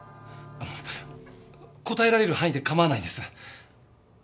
答えられる範囲で構わないです。